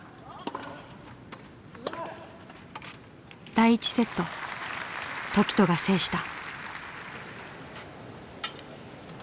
第１セット凱人が制した。